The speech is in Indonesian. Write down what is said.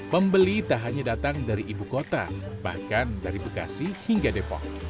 pembeli tak hanya datang dari ibu kota bahkan dari bekasi hingga depok